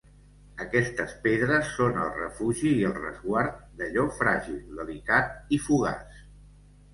Aquestes pedres són el refugi i el resguard d’allò fràgil, delicat i fugaç.